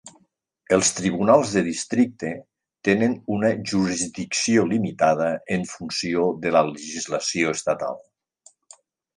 Els tribunals de districte tenen una jurisdicció limitada en funció de la legislació estatal.